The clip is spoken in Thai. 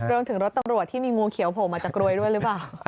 รถตำรวจที่มีงูเขียวโผล่มาจากกรวยด้วยหรือเปล่า